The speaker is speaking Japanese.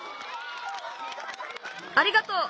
ありがとう。